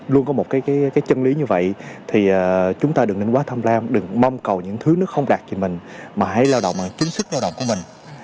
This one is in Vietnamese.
luôn có một cái chân lý như vậy thì chúng ta đừng nên quá thăm lam đừng mong cầu những thứ nó không đạt thì mình mà hãy lao động bằng chính sức lao động của mình